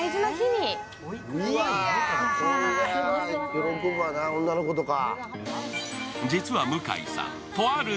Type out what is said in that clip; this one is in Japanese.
喜ぶわな、女の子とか。